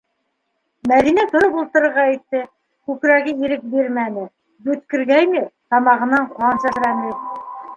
Мәҙинә тороп ултырырға итте - күкрәге ирек бирмәне, йүткергәйне - тамағынан ҡан сәсрәне.